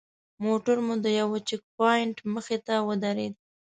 موټر مو د یوه چیک پواینټ مخې ته ودرېد.